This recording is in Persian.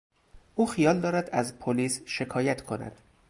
او خیال دارد از پلیس شکایت کند.